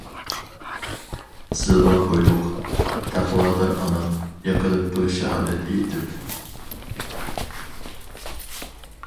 زىلۋا بويلۇق تەقۋادار ئانام، يىقىلىپتۇ شاھادەت ئېيتىپ.